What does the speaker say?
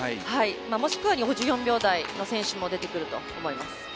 もしくは５４秒台の選手も出てくると思います。